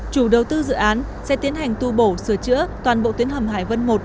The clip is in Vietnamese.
chủ đầu tư dự án sẽ tiến hành tu bổ sửa chữa toàn bộ tuyến hầm hải vân một